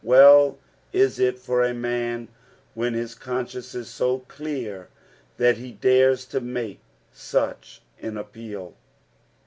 Well is it for a man when his eonsdenco is so clear that he dares to make such un appeal.